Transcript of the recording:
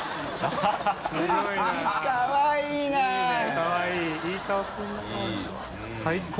かわいい！